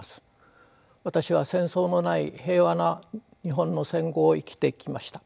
私は戦争のない平和な日本の戦後を生きてきました。